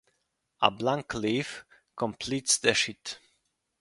A blank leaf completes the sheet.